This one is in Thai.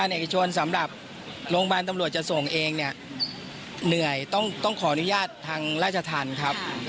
เราก็พร้อมทำตามที่เขากำหนดนะครับ